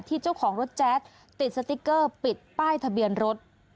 เจ้าของรถแจ๊ดติดสติ๊กเกอร์ปิดป้ายทะเบียนรถ